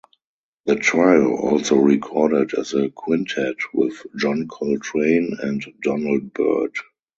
The trio also recorded as a quintet with John Coltrane and Donald Byrd.